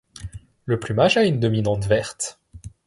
Le plumage a une dominante verte.